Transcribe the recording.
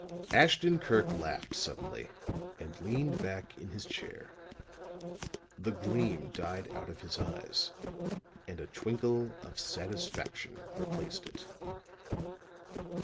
Ashton Kirk laughed suddenly, and leaned back in his chair. The gleam died out of his eyes, and a twinkle of satisfaction replaced it.